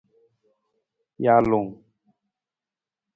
Jalung.